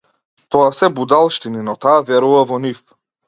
Тоа се будалштини, но таа верува во нив.